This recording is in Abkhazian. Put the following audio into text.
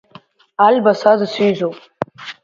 Альба са дысҩызоуп.